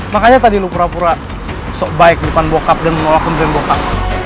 makanya tadi lo pura pura sok baik depan bokap dan menolakkan depan bokap